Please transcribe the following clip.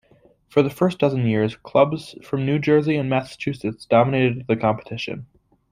For the first dozen years, clubs from New Jersey and Massachusetts dominated the competition.